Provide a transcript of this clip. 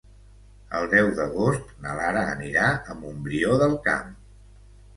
El deu d'agost na Lara anirà a Montbrió del Camp.